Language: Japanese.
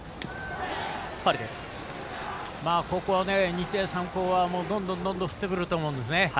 ここは日大三高はどんどん振ってくると思うんです。